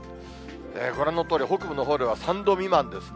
ご覧のとおり、北部のほうでは３度未満ですね。